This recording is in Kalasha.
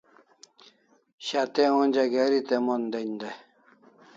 Shat'e onja geri te mon den dai